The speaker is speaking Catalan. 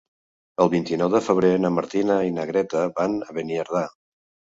El vint-i-nou de febrer na Martina i na Greta van a Beniardà.